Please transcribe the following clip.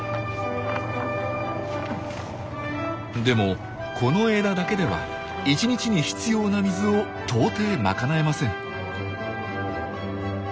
でもこの枝だけでは１日に必要な水を到底賄えません。